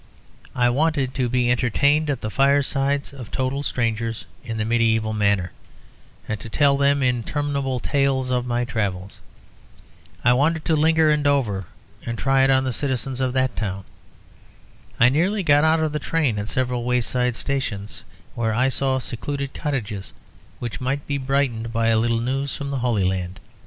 I wanted to be entertained at the firesides of total strangers, in the medieval manner, and to tell them interminable tales of my travels. I wanted to linger in Dover, and try it on the citizens of that town. I nearly got out of the train at several wayside stations, where I saw secluded cottages which might be brightened by a little news from the Holy Land.